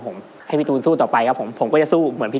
แล้ววันนี้ผมมีสิ่งหนึ่งนะครับเป็นตัวแทนกำลังใจจากผมเล็กน้อยครับ